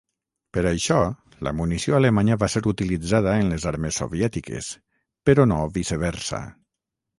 Per això, la munició alemanya va ser utilitzada en les armes soviètiques, però no viceversa.